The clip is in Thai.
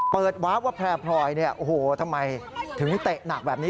เปิดวาร์ฟว่าแพร่พลอยทำไมถึงเตะหนักแบบนี้